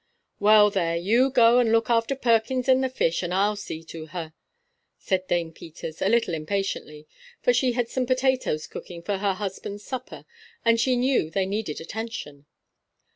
"Well, there, you go and look after Perkins and the fish, and I'll see to her," said Dame Peters, a little impatiently; for she had some potatoes cooking for her husband's supper, and she knew they needed attention.